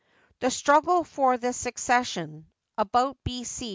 The Struggle for the Succession {about B. C.